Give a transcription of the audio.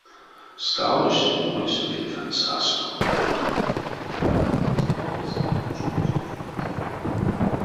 Скалось мольсь ведьганть састо, прянзо кирдсь верьга, снартнесь а начтомс нерензэ.